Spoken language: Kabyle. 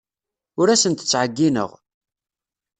Ur asent-ttɛeyyineɣ.